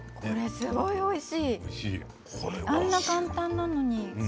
すごいおいしいあんな簡単なのに。